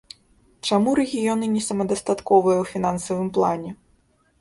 Чаму рэгіёны не самадастатковыя ў фінансавым плане?